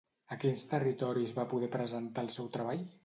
A quins territoris va poder presentar el seu treball?